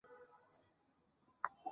母马氏。